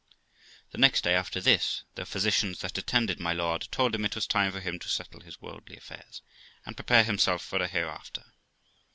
The next day after this, the physicians that attended my lord told him it was time for him to settle his worldly affairs, and prepare himself for, a hereafter.